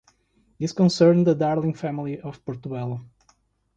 This concerned the Darling family of Portobello.